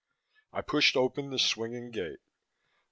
I pushed open the swinging gate.